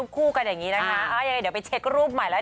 คู่กันอย่างนี้นะคะยังไงเดี๋ยวไปเช็ครูปใหม่แล้ว